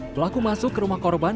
pelaku masuk ke rumah korban